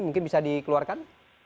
mungkin bisa dikeluarkan